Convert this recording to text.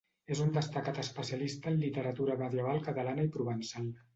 És un destacat especialista en literatura medieval catalana i provençal.